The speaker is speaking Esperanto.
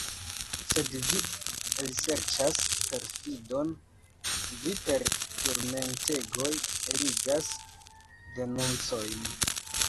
Sed vi elserĉas perfidon, vi per turmentegoj eligas denuncojn.